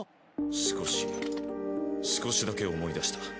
少し少しだけ思い出した。